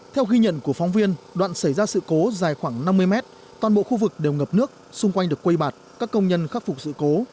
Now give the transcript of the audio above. theo ghi nhận của phóng viên đoạn xảy ra sự cố dài khoảng năm mươi mét toàn bộ khu vực đều ngập nước xung quanh được quây bạt các công nhân khắc phục sự cố